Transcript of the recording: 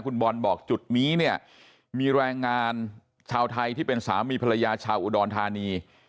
คุณบอลบอกจุดนี้เนี่ยมีแรงงานชาวไทยที่เป็นสามีภรรยาชาวอุดรธานี